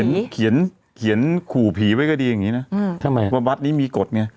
แต่พูดถึงเขียนขู่ผีไว้ก็ดีอย่างนี้นะว่าบัดนี้มีกฎไง